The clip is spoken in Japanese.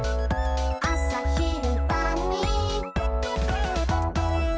「あさ、ひる、ばん、に」